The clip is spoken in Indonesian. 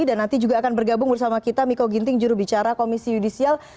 dan nanti juga akan bergabung bersama kita miko ginting jurubicara komisi yudisial